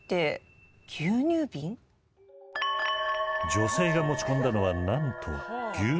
女性が持ち込んだのはなんと牛乳瓶。